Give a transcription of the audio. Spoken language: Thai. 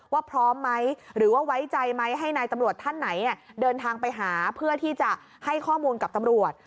พร้อมไหมหรือว่าไว้ใจไหมให้นายตำรวจท่านไหนเดินทางไปหาเพื่อที่จะให้ข้อมูลกับตำรวจ